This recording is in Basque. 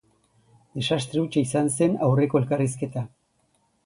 Desastre hutsa izan zen aurreko elkarrizketa.